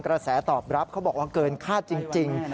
กระแสตอบรับเขาบอกว่าเกินคาดจริง